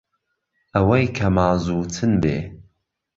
ئەوەی کە مازوو چن بێ